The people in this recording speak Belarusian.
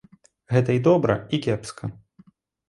Гэта і добра, і кепска!